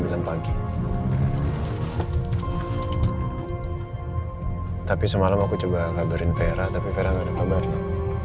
tapi semalam aku coba kabarin vera tapi vera gak ada kabarnya